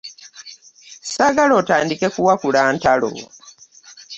Ssaagala otandike kuwakula ntalo.